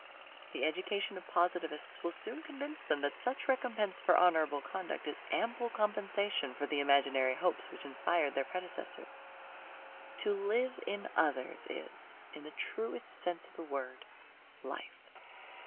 The education of Positivists will soon convince them that such recompense for honourable conduct is ample compensation for the imaginary hopes which inspired their predecessors. To live in others is, in the truest sense of the word, life.